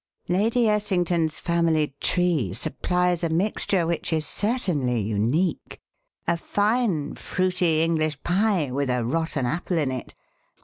Lady Essington's family tree supplies a mixture which is certainly unique: a fine, fruity English pie with a rotten apple in it.